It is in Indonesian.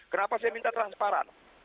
kenapa saya minta transparan